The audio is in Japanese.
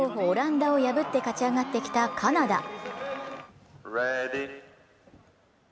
オランダを破って勝ち上がってきたカナダ。